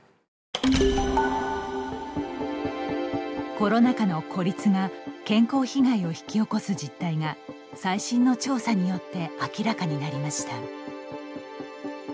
コロナ禍の孤立が健康被害を引き起こす実態が最新の調査によって明らかになりました。